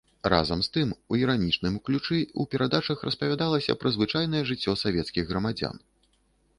Разам з тым у іранічным ключы ў перадачах распавядалася пра звычайнае жыццё савецкіх грамадзян.